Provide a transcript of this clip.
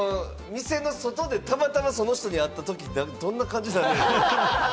店の外でたまたま外に会った時にどんな感じなんやろね？